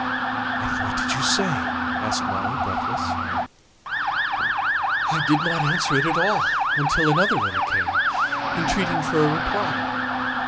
"And what did you say?" asked Molly, breathless. "I did not answer it at all until another letter came, entreating for a reply.